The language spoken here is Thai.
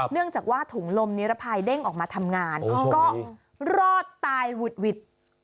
เนื่องจากว่าถุงลมนิรภัยเด้งออกมาทำงานก็รอดตายหุดหวิด